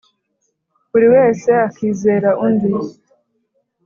buri wese akizera undi,